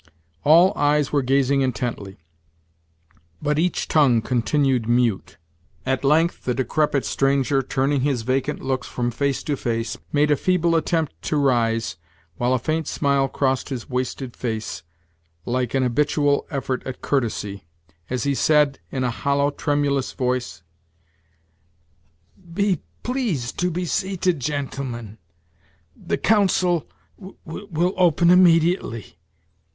All eyes were gazing intently, but each tongue continued mute. At length the decrepit stranger, turning his vacant looks from face to face, made a feeble attempt to rise, while a faint smile crossed his wasted face, like an habitual effort at courtesy, as he said, in a hollow, tremulous voice: "Be pleased to be seated, gentlemen. The council will open immediately.